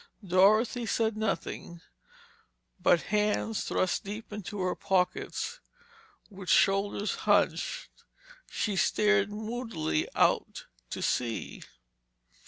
Dorothy said nothing, but, hands thrust deep into her pockets and with shoulders hunched, she stared moodily out to sea.